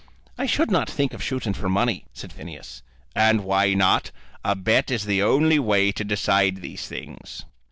"I should not think of shooting for money," said Phineas. "And why not? A bet is the only way to decide these things."